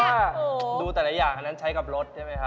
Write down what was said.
ถ้าดูแต่ละอย่างอันนั้นใช้กับรถใช่ไหมครับ